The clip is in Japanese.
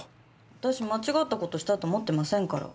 私間違った事したと思ってませんから。